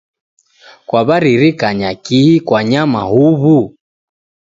Kwaw'aririkanya kihi kwanyama huw'u?